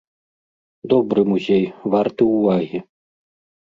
Добры музей, варты ўвагі.